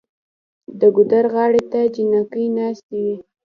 د ګودر غاړې ته جینکۍ ناستې وې